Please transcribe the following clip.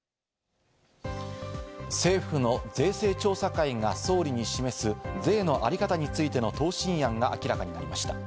政府の税制調査会が総理に示す税のあり方についての答申案が明らかになりました。